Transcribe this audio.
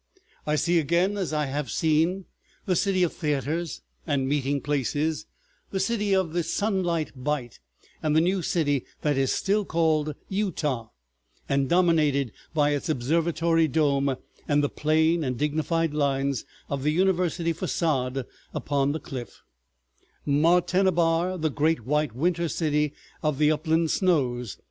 I see again as I have seen, the city of theaters and meeting places, the City of the Sunlight Bight, and the new city that is still called Utah; and dominated by its observatory dome and the plain and dignified lines of the university façade upon the cliff, Martenābar the great white winter city of the upland snows.